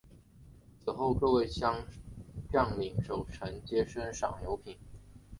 此后各位将领守臣皆升赏有别。